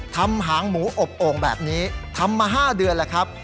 หางหมูอบโอ่งแบบนี้ทำมา๕เดือนแล้วครับ